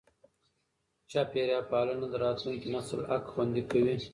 چاپېریال پالنه د راتلونکي نسل حق خوندي کوي.